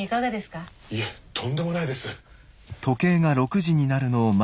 いえとんでもないです。